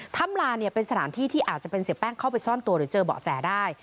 ถ้ำลาเนี่ยเป็นสถานที่ที่อาจจะเป็นเสียแป้งเข้าไปซ่อนตัวหรือเจอเบาะแสได้